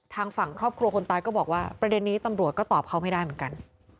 ทางฝั่งครอบครัวคนตายก็บอกว่าประเด็นนี้ตำรวจก็ตอบเขาไม่ได้เหมือนกัน